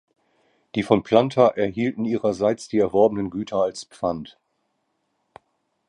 Die von Planta erhielten ihrerseits die erworbenen Güter als Pfand.